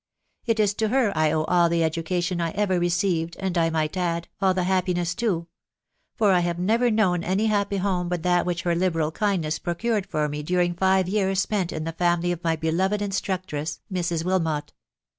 It is to her I owe all the educa* tion I ever received, and, I might add, all the happiness too, s .... for I have never known any happy home but that which her liberal kindness procured for me during five years spent in the family of my beloved instructress Mrs.Wilmot.